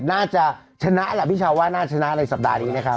น่าจะชนะแหละพี่ชาวว่าน่าชนะในสัปดาห์นี้นะครับ